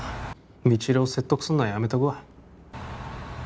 未知留を説得するのはやめとくわ